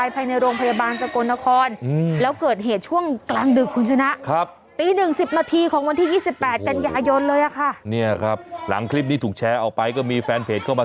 เป็นยายนเลยอะค่ะเนี่ยครับหลังคลิปนี้ถูกแชร์เอาไปก็มีแฟนเพจเข้ามา